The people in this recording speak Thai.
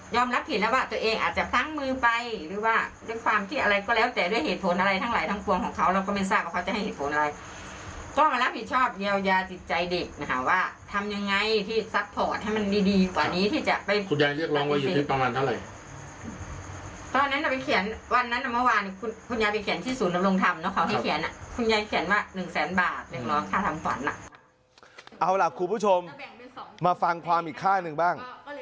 ยอมรับผิดแล้วว่าตัวเองอาจจะพลั้งมือไปหรือว่าด้วยความที่อะไรก็แล้วแต่ด้วยเหตุผลอะไรทั้งหลายทั้งปวงของเขาเราก็ไม่ทราบว่าเขาจะให้เหตุผลอะไรก็มารับผิดชอบเยียวยาจิตใจเด็กนะคะว่าทำยังไงที่ซัพพอร์ตให้มันดีดีกว่านี้ที่จะไปคุณยายเรียกร้องว่าอยู่ที่ประมาณเท่าไรตอนนั้นเราไปเขียนวันนั้นเมื่อวานคุ